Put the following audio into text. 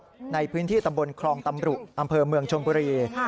ในพื้นที่ตำบลครองตำรุอำเภอเมืองชนบุรี